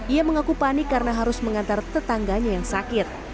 ia mengaku panik karena harus mengantar tetangganya yang sakit